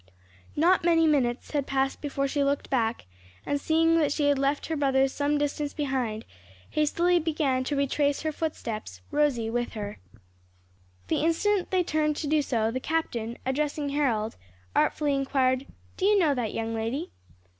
Not many minutes had passed before she looked back, and seeing that she had left her brothers some distance behind, hastily began to retrace her footsteps, Rosie with her. The instant they turned to do so, the captain, addressing Harold, artfully inquired, "Do you know that young lady?"